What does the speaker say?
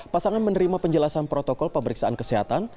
pasangan menerima penjelasan protokol pemeriksaan kesehatan